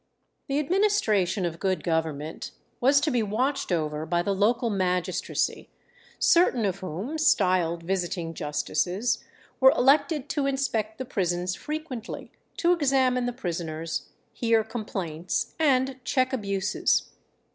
The administration of good government was to be watched over by the local magistracy, certain of whom, styled visiting justices, were elected to inspect the prisons frequently, to examine the prisoners, hear complaints, and check abuses.